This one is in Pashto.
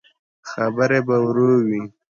خبرې به يې ورو وې.